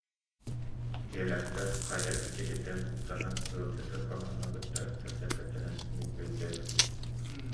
Дьиэлээхтэр хайа иччититтэн куттанан ыалдьыты, хоноһону кытта кэпсэппэттэрин мин өйдөөбүтүм